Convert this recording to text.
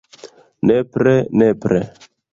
Nepre, nepre...